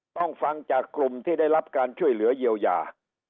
ฟังจากกลุ่มที่ได้รับการช่วยเหลือเยียวยา